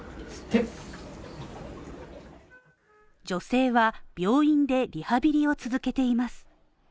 女性は、病院でリハビリを続けています。